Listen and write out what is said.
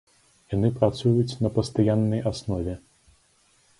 Яны працуюць на пастаяннай аснове.